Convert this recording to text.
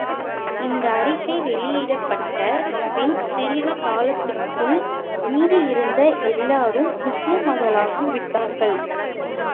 இந்த அறிக்கை வெளியிடப்பட்ட பின், சிறிது காலத்துக்குள் மீதியிருந்த எல்லோரும் முஸ்லிம்களாகி விட்டார்கள்.